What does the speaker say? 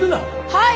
はい！